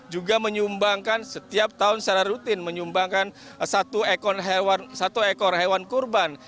juga menyumbangkan setiap tahun secara rutin menyumbangkan satu ekor hewan kurban